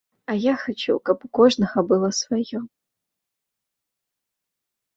А я хачу, каб у кожнага было сваё.